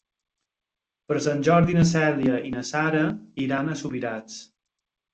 Per Sant Jordi na Cèlia i na Sara iran a Subirats.